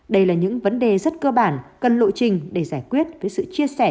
đây là những vấn đề rất cơ bản cần lộ trình để giải quyết với sự chia sẻ